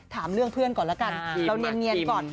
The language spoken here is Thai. ถามเรื่องเพื่อนก่อนละกันเดี๋ยวเนียนก่อน